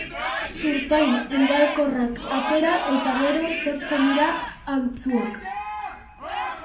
Zurtoin ugalkorrak atera eta gero sortzen dira antzuak.